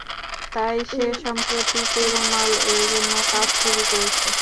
তাই সে সম্প্রতি পেরুমাল এর জন্য কাজ শুরু করেছে।